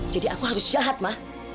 jadi aku harus jahat ma